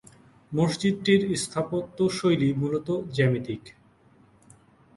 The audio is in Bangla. মসজিদটির স্থাপত্যশৈলী মূলত জ্যামিতিক।